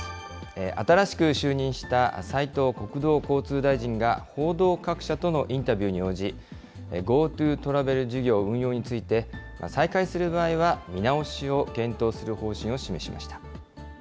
新しく就任した斉藤国土交通大臣が、報道各社とのインタビューに応じ、ＧｏＴｏトラベル事業運用について、再開する場合は見直しを検討する方針を示しました。